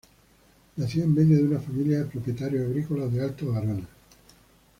Nació en medio de una familia de propietarios agrícolas de Alto Garona.